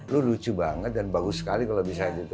lu lucu banget dan bagus sekali kalau bisa gitu